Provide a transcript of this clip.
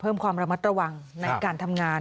เพิ่มความระมัดระวังในการทำงาน